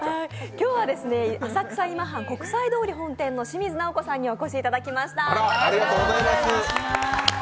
今日は浅草今半国際通り本店の清水直子さんにお越しいただきました。